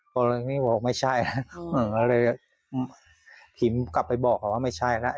บอกว่าไม่ใช่เลยถิ่มกลับไปบอกว่าไม่ใช่แล้ว